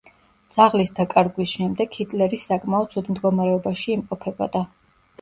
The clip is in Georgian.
ძაღლის დაკარგვის შემდეგ ჰიტლერის საკმაოდ ცუდ მდგომარეობაში იმყოფებოდა.